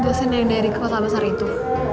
dosen yang dari kota besar itu